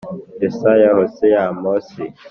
yesaya, hoseya, amosi,